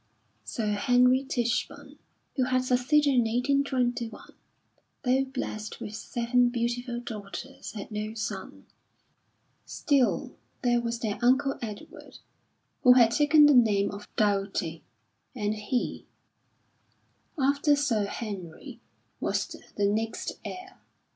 Sir Henry Tichborne, who had succeeded in 1821, though blessed with seven beautiful daughters, had no son. Still there was their uncle Edward, who had taken the name of Doughty, and he, after Sir Henry, was the next heir.